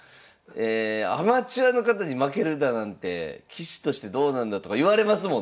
アマチュアの方に負けるだなんて棋士としてどうなんだとか言われますもんね。